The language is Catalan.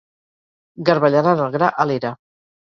Garbellaran el gra a l'era.